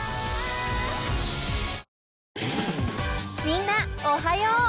［みんなおはよう］